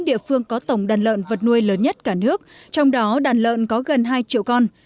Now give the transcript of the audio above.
địa phương có tổng đàn lợn vật nuôi lớn nhất cả nước trong đó đàn lợn có gần hai triệu con